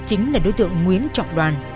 chính là đối tượng nguyễn trọng đoàn